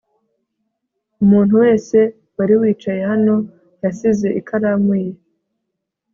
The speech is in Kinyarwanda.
Umuntu wese wari wicaye hano yasize ikaramu ye